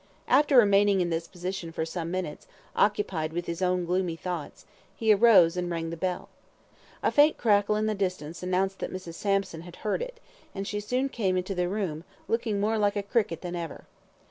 After remaining in this position for some minutes, occupied with his own gloomy thoughts, he arose and rang the bell. A faint crackle in the distance announced that Mrs. Sampson had heard it, and she soon came into the room, looking more like a cricket than ever.